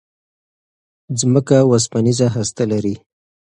ځمکه اوسپنيزه هسته لري.